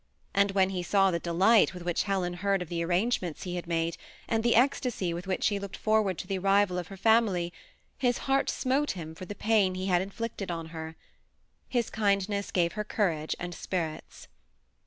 And when be saw the delight with ^h}ch Hekf) beard 84 THE SEMI ATTAOHED COUPLE. of the arrangements he had made, and the ecstasy with which she looked forward to the arrival of her family, his heart smote him for the pain he had inflicted on Jier. His kindness gave her courage and spirits.